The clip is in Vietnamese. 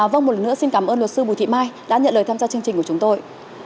vâng một lần nữa xin cảm ơn luật sư bùi thị mai đã nhận lời tham gia chương trình của chúng tôi